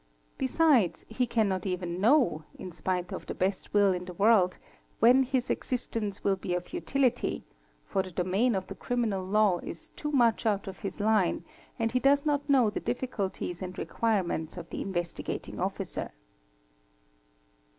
Besides he cannot even know, in spite of the best will in the world, when his existence will be of utility, for the domain of — the criminal law is too much out of his line, and he does not know the ~ difficulties and requirements of the Investigating Officer.